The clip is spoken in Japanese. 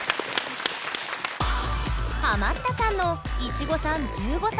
ハマったさんのいちごさん１５歳。